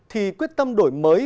thì quyết tâm đổi mới